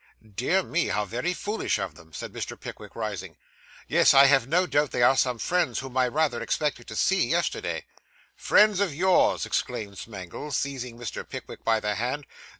'Dear me! How very foolish of them,' said Mr. Pickwick, rising. 'Yes; I have no doubt they are some friends whom I rather expected to see, yesterday.' 'Friends of yours!' exclaimed Smangle, seizing Mr. Pickwick by the hand.